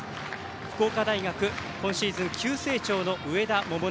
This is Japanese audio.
福岡大学今シーズン急成長の上田百寧。